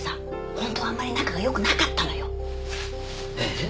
本当はあんまり仲がよくなかったのよえっ？